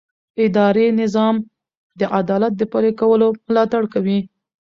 اداري نظام د عدالت د پلي کولو ملاتړ کوي.